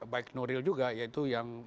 baik nuril juga yaitu yang